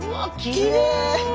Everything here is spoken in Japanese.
きれい！